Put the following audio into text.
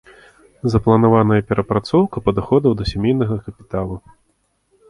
Запланаваная перапрацоўка падыходаў да сямейнага капіталу.